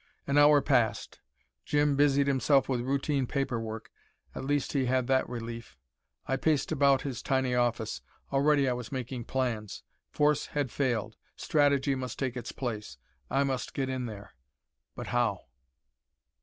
An hour passed. Jim busied himself with routine paper work. At least he had that relief. I paced about his tiny office. Already I was making plans. Force had failed. Strategy must take its place. I must get in there. But how?